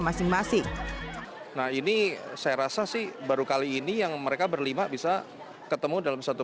masing masing nah ini saya rasa sih baru kali ini yang mereka berlima bisa ketemu dalam satu